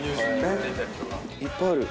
いっぱいある。